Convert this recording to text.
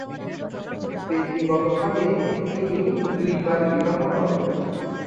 ব্যক্তিগতভাবে তিনি দুইবার বিবাহ করেন।